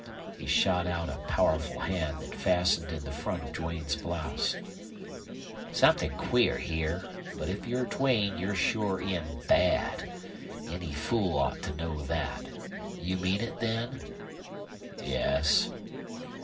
He shot out a powerful hand that fastened in the front of Duane's blouse. "Somethin' queer here. But if you're Duane you're sure in bad. Any fool ought to know that. You mean it, then?" "Yes."